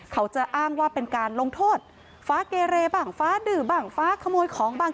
เขาจะอ้างว่าเป็นการลงโทษฟ้าเกเรบ้างฟ้าดื้อบ้างฟ้าขโมยของบ้าง